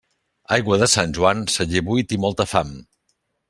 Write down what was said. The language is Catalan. Aigua de Sant Joan, celler buit i molta fam.